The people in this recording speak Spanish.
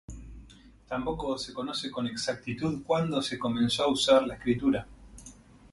Tampoco se conoce con exactitud cuándo se comenzó a usar la escritura.